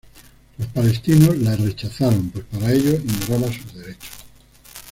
Los palestinos la rechazaron, pues para ellos ignoraba sus derechos.